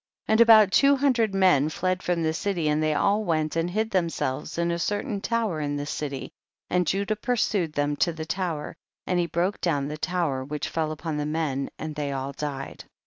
34. And about two hundred men fled from the city, and they all went and hid themselves in a certain tower in the city, and Judah pursued them to the tower and he broke down the tower, which fell upon the men, and they all died.